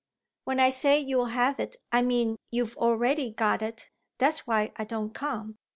"When I say you'll have it I mean you've already got it. That's why I don't come."